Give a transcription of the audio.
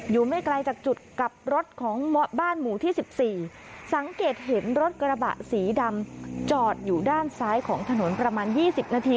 ไม่ไกลจากจุดกลับรถของบ้านหมู่ที่๑๔สังเกตเห็นรถกระบะสีดำจอดอยู่ด้านซ้ายของถนนประมาณ๒๐นาที